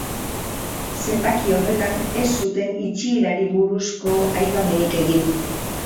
Zenbaki horretan ez zuten itxierari buruzko aipamenik egin.